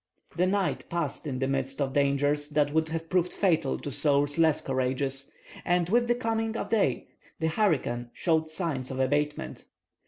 The night passed in the midst of dangers that would have proved fatal to souls less courageous; and with the coming of day the hurricane showed signs of abatement.